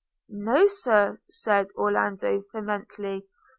'No, Sir!' said Orlando vehemently.